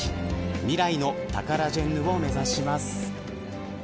未来のタカラジェンヌを目指します。